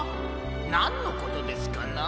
なんのことですかな？